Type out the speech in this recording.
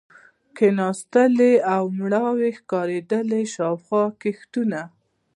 کېناستلې او مړاوې ښکارېدلې، شاوخوا کښتونه.